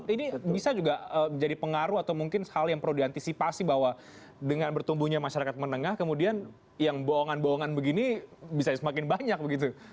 ini bisa juga jadi pengaruh atau mungkin hal yang perlu diantisipasi bahwa dengan bertumbuhnya masyarakat menengah kemudian yang bohongan bohongan begini bisa semakin banyak begitu